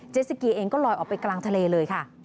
สกีเองก็ลอยออกไปกลางทะเลเลยค่ะ